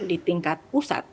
di tingkat pusat